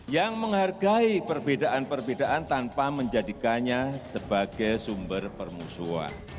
yang menghargai perbedaan perbedaan tanpa menjadikannya sebagai sumber permusuhan